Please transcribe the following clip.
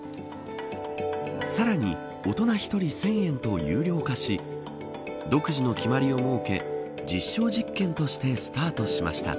さらに大人１人１０００円と有料化し独自の決まりを設け実証実験としてスタートしました。